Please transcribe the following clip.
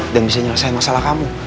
dan bisa nyelesai masalah kamu